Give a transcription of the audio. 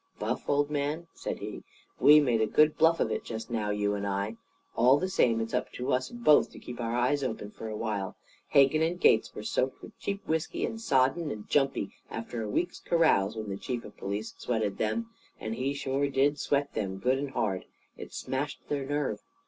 "Buff, old man," said he, "we made a good bluff of it just now, you and I. All the same, it's up to us both to keep our eyes open for a while. Hegan and Gates were soaked with cheap whisky and sodden and jumpy after a week's carouse, when the chief of police 'sweated' them. And he sure did 'sweat' them good and hard. It smashed their nerve.